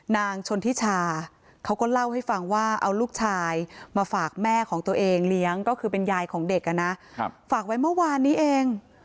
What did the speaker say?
นางชนทิชาเขาก็เล่าให้ฟังว่าเอาลูกชายมาฝากแม่ของตัวเองเลี้ยงก็คือเป็นยายของเด็กนะฝากไว้เมื่อวานนี้เอง